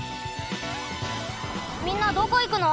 みんなどこいくの？